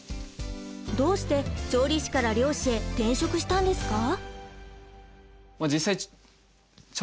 どうして調理師から漁師へ転職したんですか？